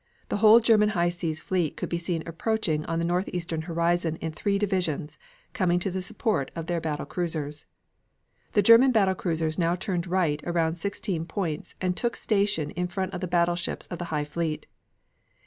The whole German High Seas Fleet could be seen approaching on the northeastern horizon in three divisions, coming to the support of their battle cruisers. The German battle cruisers now turned right around 16 points and took station in front of the battleships of the High Fleet.